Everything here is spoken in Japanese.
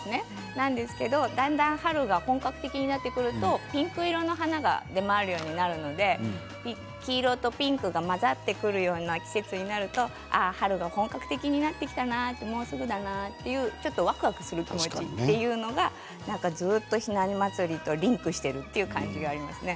なんですけど、だんだん春が本格的になってくるとピンク色の花が出回るようになるので黄色とピンクが混ざってくるような季節になると春が本格的になってきたなもうすぐだなと、わくわくする気持ちになるというのはずっとひな祭りとリンクしているという感じがありますね。